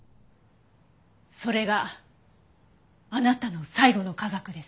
それがあなたの最後の科学です。